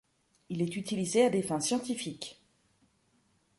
Il est utilisé à des fins scientifiques.